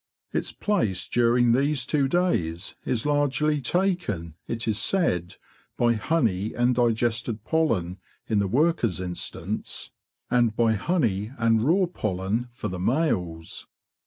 Its place during these two days is largely taken, it is said, by 206 THE BEE MASTER OF WARRILOW honey and digested pollen in the worker's instance, and by honey and raw pollen for the males.